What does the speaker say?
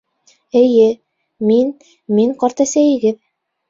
Эйе, мин, мин ҡартәсәйегеҙ!